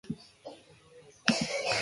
Ganibet bat lurrera erortzen, klink.